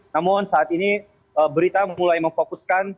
namun saat ini berita mulai memfokuskan